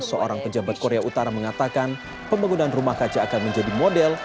seorang pejabat korea utara mengatakan pembangunan rumah kaca akan menjadi model